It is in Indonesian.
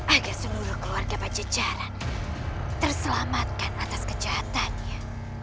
agar seluruh keluarga pajajaran terselamatkan atas kejahatannya